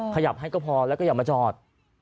ขยับให้ก็พอแล้วก็อย่ามาจอด